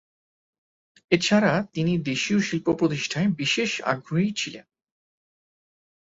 এছাড়া তিনি দেশীয় শিল্প-প্রতিষ্ঠায় বিশেষ আগ্রহী ছিলেন।